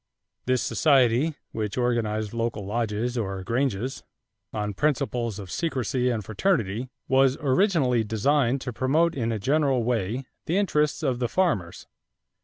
This society, which organized local lodges or "granges" on principles of secrecy and fraternity, was originally designed to promote in a general way the interests of the farmers.